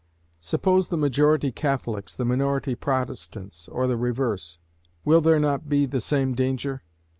Suppose the majority Catholics, the minority Protestants, or the reverse; will there not be the same danger?